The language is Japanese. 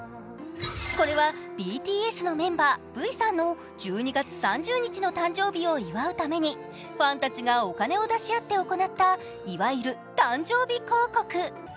これはＢＴＳのメンバー、Ｖさんの１２月３０日の誕生日を祝うために、ファンたちがお金を出し合って行ったいわゆる誕生日広告。